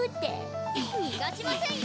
逃がしませんよ！